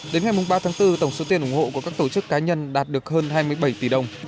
đến ngày ba tháng bốn tổng số tiền ủng hộ của các tổ chức cá nhân đạt được hơn hai mươi bảy tỷ đồng